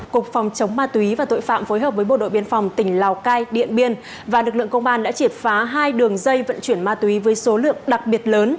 qua công tác nắm tình hình lực lượng tổng tra hỗn hợp ba trăm sáu mươi ba sẽ phối hợp